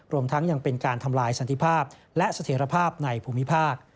รวมทั้งยังเป็นการทำลายสันติภาพและเสถียรภาพในภูมิภาค